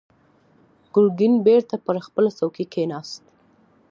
ګرګين بېرته پر خپله څوکۍ کېناست.